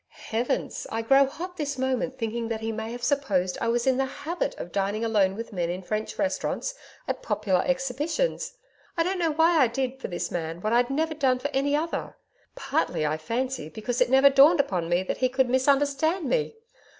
Heavens! I grow hot this moment thinking that he may have supposed I was in the HABIT of dining alone with men in French restaurants at popular Exhibitions. I don't know why I did for this man what I'd never done for any other, Partly, I fancy, because it never dawned upon me that he could misunderstand me.